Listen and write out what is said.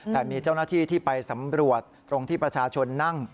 แต่มีเจ้าหน้าที่ที่ไปสำรวจตรงที่ประชาชนนั่ง